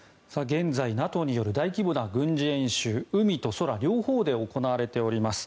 現在ＮＡＴＯによる大規模な軍事演習海と空、両方で行われております。